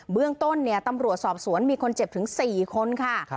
เบื้องต้นตำรวจสอบสวนมีคนเจ็บถึง๔คนค่ะ